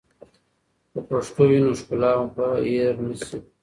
که پښتو وي، نو ښکلا به هېر نه سي.